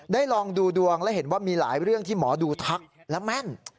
ลองดูดวงและเห็นว่ามีหลายเรื่องที่หมอดูทักและแม่น